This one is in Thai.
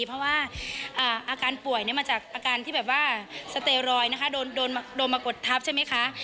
เพราะว่าอาการป่วยมาจากอาการที่แบบว่าสเตรอยนะคะโดนมากดทับใช่ไหมคะ